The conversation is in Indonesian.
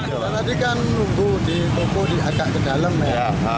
tadi kan nunggu di toko di agak ke dalam ya